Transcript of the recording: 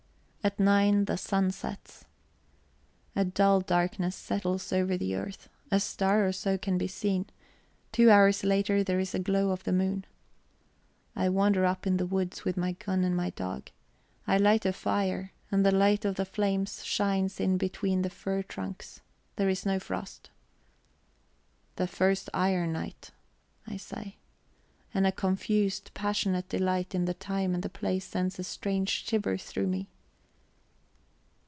At nine the sun sets. A dull darkness settles over the earth, a star or so can be seen; two hours later there is a glow of the moon. I wander up in the woods with my gun and my dog. I light a fire, and the light of the flames shines in between the fir trunks. There is no frost. "The first iron night!" I say. And a confused, passionate delight in the time and the place sends a strange shiver through me...